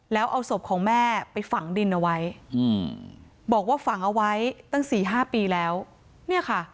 แล้วเอาศพของแม่ไปฝังดินเอาไว้บอกว่าฝังเอาไว้ตั้ง๔๕ปีแล้วเนี่ยค่ะ